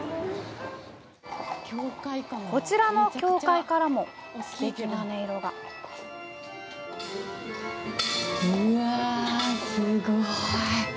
こちらの教会からもすてきな音色がうわあ，すごい。